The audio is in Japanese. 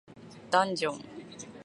ダンジョン